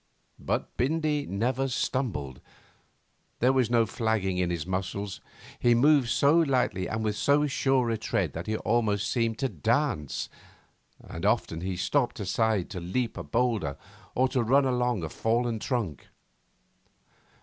But Bindy never stumbled. There was no flagging in his muscles. He moved so lightly and with so sure a tread that he almost seemed to dance, and often he stopped aside to leap a boulder or to run along a fallen trunk.